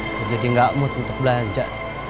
menjadi nggak mood untuk belanja